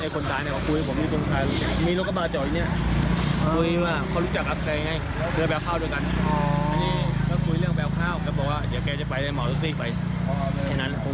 คนเห็นกระบะมันตรงทำอะไรไม่ได้แต่ได้แต่มองวิธีนาทีช้น